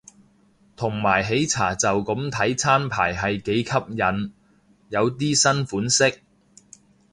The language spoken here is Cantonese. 同埋喜茶就咁睇餐牌係幾吸引，有啲新款式